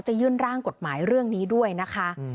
ยื่นร่างกฎหมายเรื่องนี้ด้วยนะคะ